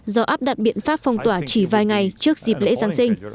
do áp đặt biện pháp phong tỏa chỉ vài ngày trước dịp lễ giáng sinh